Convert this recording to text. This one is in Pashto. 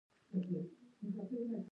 آیا پښتو به تل نه ځلیږي؟